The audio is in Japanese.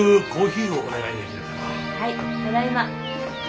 はいただいま。